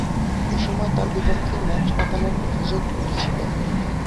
এ সময় তাঁর বিপক্ষে ম্যাচ পাতানোর অভিযোগ উঠেছিল।